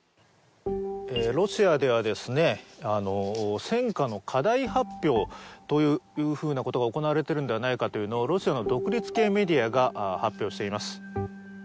ロシアではですね戦果の過大発表というふうなことが行われてるんではないかというのをロシアの独立系メディアが発表しています